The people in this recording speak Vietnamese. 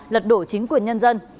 lật đổ chính quyền nhân dân